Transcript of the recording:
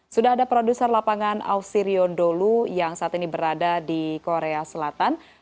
sudah ada produser lapangan ausirion dholu yang saat ini berada di korea selatan